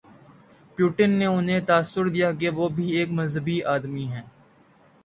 Putin نے انہیں تاثر دیا کہ وہ بھی ایک مذہبی آدمی ہیں۔